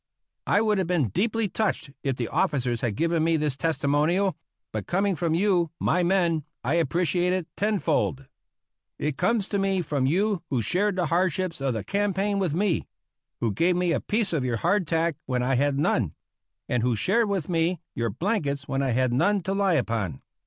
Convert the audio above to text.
I would have been deeply touched if the officers had given me this testimonial, but coming from you, my men, I appreciate it tenfold. It comes to me from you who shared the hardships of the campaign with me; who gave me a piece of your hardtack when I had none; and who shared with me your blankets when I had none to lie upon.